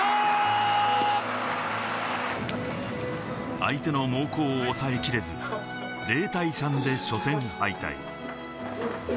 相手の猛攻を押さえきれず、０対３で初戦敗退。